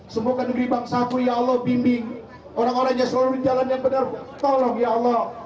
semoga negeri bangsa aku ya allah bimbing orang orang yang selalu berjalan yang benar tolong ya allah